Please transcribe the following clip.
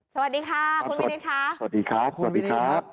สวัสดีค่ะคุณวินิศค่ะ